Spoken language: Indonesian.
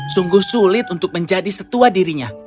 sungguh sulit untuk menjadi setua dirinya